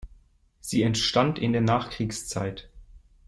Sie entstand in der Nachkriegszeit.